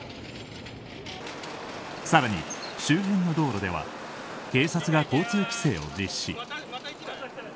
更に、周辺の道路では警察が交通規制を実施。